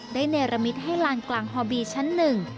เนรมิตให้ลานกลางฮอบีชั้นหนึ่ง